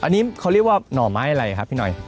อันนี้เขาเรียกว่าหน่อไม้อะไรครับพี่หน่อย